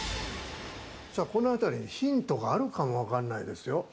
このあたりにヒントがあるかもしれないですよ。